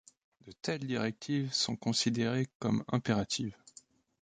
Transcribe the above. De telles directives sont considérées comme impératives.